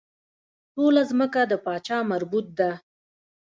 ټوله ځمکه د پاچا مربوط ده.